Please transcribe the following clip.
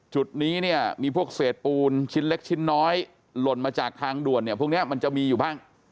จุดนี้เนี่ยมีพวกเศษปูนชิ้นเล็กชิ้นน้อยหล่นมาจากทางด่วนเนี่ยพวกนี้มันจะมีอยู่บ้าง